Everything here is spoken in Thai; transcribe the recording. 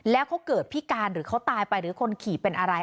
แล้วเขาเกิดพิการหรือเขาตายไปหรือคนขี่เป็นอะไร